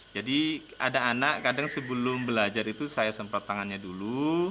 jadi ada anak kadang sebelum belajar itu saya semprot tangannya dulu